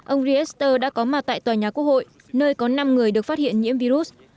ông riester đã có mặt tại tòa nhà quốc hội nơi có năm người được phát hiện nhiễm virus